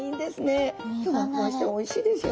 ふわふわしておいしいですよ。